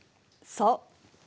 そう。